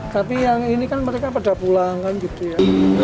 tapi yang ini kan mereka pada pulang kan gitu ya